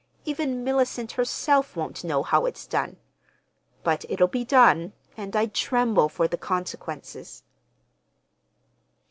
Even Mellicent herself won't know how it's done. But it'll be done, and I tremble for the consequences."